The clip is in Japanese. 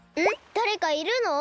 だれかいるの！？